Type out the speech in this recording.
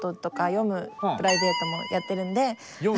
「読むプライベート」やってる？